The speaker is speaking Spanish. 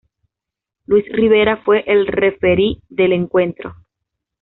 Luis Rivera fue el referee del encuentro.